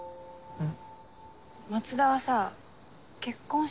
うん。